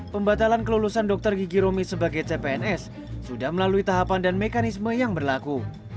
pembatalan kelulusan dokter gigi romi sebagai cpns sudah melalui tahapan dan mekanisme yang berlaku